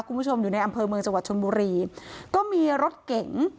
คุณผู้ชมอยู่ในอำเภอเมืองจังหวัดชนบุรีก็มีรถเก๋ง